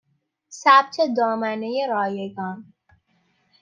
ثبت دامنه رایگان